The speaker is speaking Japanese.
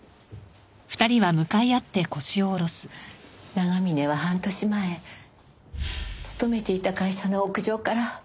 長峰は半年前勤めていた会社の屋上から。